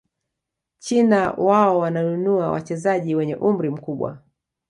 china wao wananunua wachezaji wenye umri mkubwa